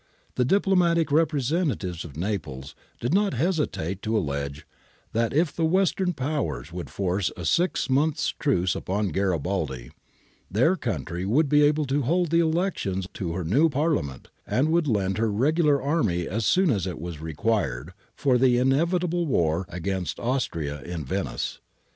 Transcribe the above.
The diplomatic representatives of Naples did not hesitate to allege that if the western Powers would force a six months' truce upon Garibaldi, their country would be able to hold the elections to her new Parliament, and would lend her regular army as soon as it was required for the ' inevitable ' war against Austria in Venice.